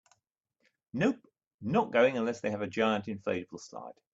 Nope, not going unless they have a giant inflatable slide.